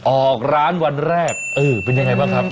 ออกร้านวันแรกเออเป็นยังไงบ้างครับ